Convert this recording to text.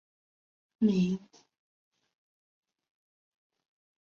闽太祖王审知亦用此年号。